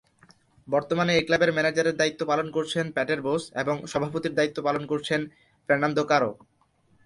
বর্তমানে এই ক্লাবের ম্যানেজারের দায়িত্ব পালন করছেন পেটের বোস এবং সভাপতির দায়িত্ব পালন করছেন ফের্নান্দো কারো।